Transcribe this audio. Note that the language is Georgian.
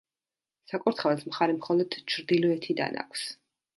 საკურთხეველს მხარი მხოლოდ ჩრდილოეთიდან აქვს.